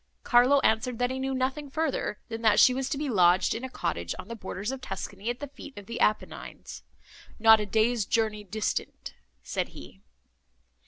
Carlo answered, that he knew nothing further, than that she was to be lodged in a cottage on the borders of Tuscany, at the feet of the Apennines—"Not a day's journey distant," said he.